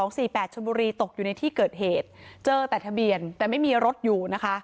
ได้แหล๖๒๔๘ชมบุรีตกอยู่ในที่เกิดเหตุเจอแต่ทะเบียนแต่ไม่มีรถอยู่